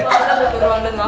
masa butuh ruang dan waktu